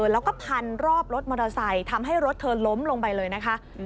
แล้วก็พันรอบรถมอเตอร์ไซค์ทำให้รถเธอล้มลงไปเลยนะคะ